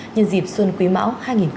nhân dịp xuân quý mão hai nghìn hai mươi